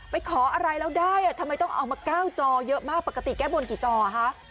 ขออะไรแล้วได้ทำไมต้องเอามา๙จอเยอะมากปกติแก้บนกี่จอคะ